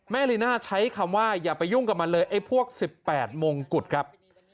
ลีน่าใช้คำว่าอย่าไปยุ่งกับมันเลยไอ้พวก๑๘มงกุฎครับ